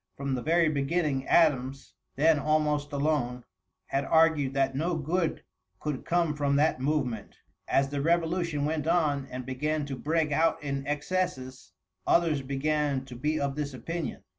From the very beginning Adams, then almost alone, had argued that no good could come from that movement, as the revolution went on and began to break out in excesses, others began to be of this opinion.